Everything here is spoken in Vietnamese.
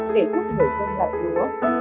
để giúp người dân đặt lúa